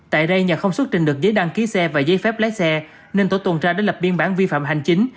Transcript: tại đây nhà không xuất trình được giấy đăng ký xe và giấy phép lái xe nên tổ tuần tra đã lập biên bản vi phạm hành chính